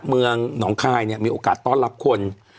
เมืองหนองคายเนี่ยมีโอกาสต้อนรับคน